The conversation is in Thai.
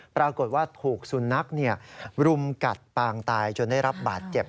ปรากฏว่าถูกสุนัขรุมกัดปางตายจนได้รับบาดเจ็บ